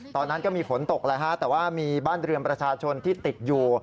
ตอนนั้นก็มีฝนตกแล้วฮะแต่ว่ามีบ้านเรือนประชาชนที่ติดอยู่